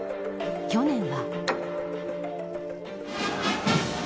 去年は。